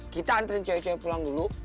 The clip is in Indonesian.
kita antrian cewek cewek pulang dulu